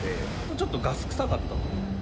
ちょっとガス臭かった。